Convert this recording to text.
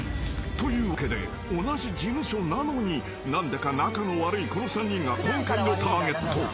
［というわけで同じ事務所なのに何でか仲の悪いこの３人が今回のターゲット］